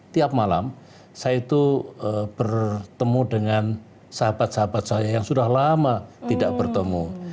tiap malam saya itu bertemu dengan sahabat sahabat saya yang sudah lama tidak bertemu